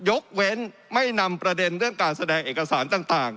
ยกเว้นไม่นำประเด็นเรื่องการแสดงเอกสารต่าง